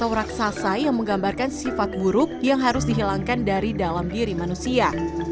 ogo ogo merupakan simbol buta kala atau raksasa yang menggambarkan sifat buruk yang harus dihilangkan dari dalam diri manusia